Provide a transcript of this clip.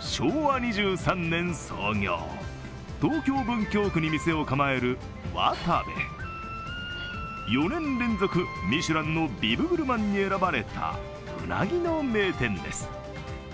昭和２３年創業、東京・文京区に店を構えるわたべ。４年連続ミシュランのビブグルマンに選ばれた、うなぎの名店です。